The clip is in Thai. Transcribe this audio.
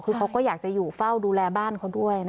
คือเขาก็อยากจะอยู่เฝ้าดูแลบ้านเขาด้วยนะ